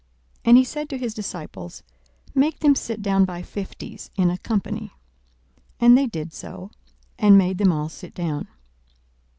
And he said to his disciples, Make them sit down by fifties in a company. 42:009:015 And they did so, and made them all sit down.